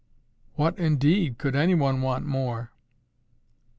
"What, indeed, could any one want more?"